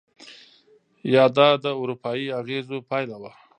یا دا د اروپایي اغېزو پایله وه؟